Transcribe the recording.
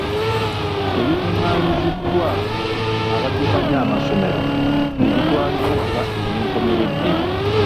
Ebikungaanyiziddwa abaddukanya amasomero by'ebitwalibwa okuba eby'enkomeredde.